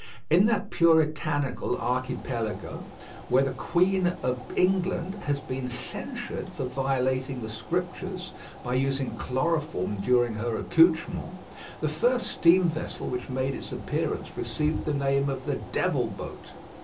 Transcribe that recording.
In that Puritanical Archipelago, where the Queen of England has been censured for violating the Scriptures by using chloroform during her accouchments, the first steam vessel which made its appearance received the name of the "Devil Boat."